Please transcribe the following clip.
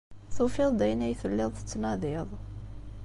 Tufiḍ-d ayen ay telliḍ tettnadiḍ.